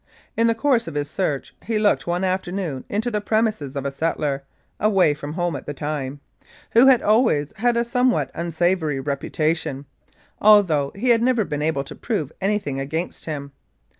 In the course of his search he looked one afternoon into the premises of a settler (away from home at the time), who had always had a somewhat unsavoury reputation, although we had never been able to prove anything against him.